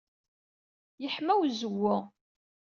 Yeḥma wezwu.